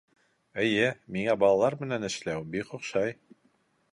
Эйе, миңә балалар менән эшләү бик оҡшай